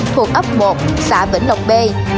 thuộc ấp một xã vĩnh lộc b